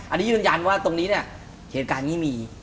อันนี้ยืนยันว่าตรงนี้เนี่ยเหตุการณ์นี้มี